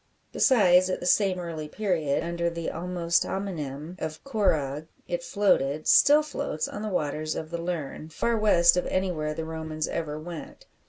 Besides, at the same early period, under the almost homonym of "corragh," it floated still floats on the waters of the Lerne, far west of anywhere the Romans ever went.